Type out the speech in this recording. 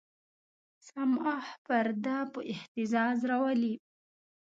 صماخ پرده په اهتزاز راولي.